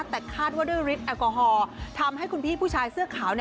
แต่คาดว่าด้วยฤทธิแอลกอฮอล์ทำให้คุณพี่ผู้ชายเสื้อขาว